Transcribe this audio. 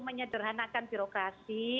hanya mengeranakan birokrasi